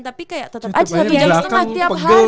tapi kayak tetep aja